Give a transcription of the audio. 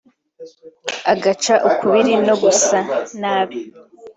agaca ukubiri no gusa nabi